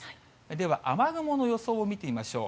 では、雨雲の予想を見てみましょう。